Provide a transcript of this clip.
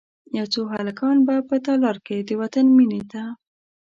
یو څو هلکان به په تالار کې، د وطن میینې ته،